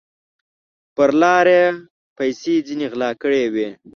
پر لار یې پیسې ځیني غلا کړي وې